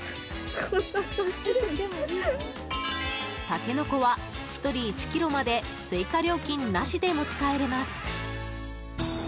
タケノコは１人１ｋｇまで追加料金なしで持ち帰れます。